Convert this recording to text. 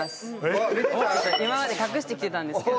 今まで隠してきてたんですけど。